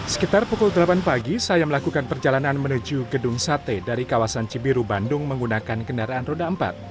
sekitar pukul delapan pagi saya melakukan perjalanan menuju gedung sate dari kawasan cibiru bandung menggunakan kendaraan roda empat